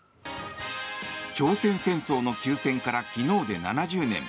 朝鮮戦争の休戦から昨日で７０年。